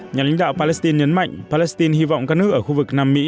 nhà lãnh đạo palestine nhấn mạnh palestine hy vọng các nước ở khu vực nam mỹ